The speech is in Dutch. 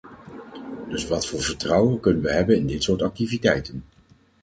Dus wat voor vertrouwen kunnen we hebben in dit soort activiteiten?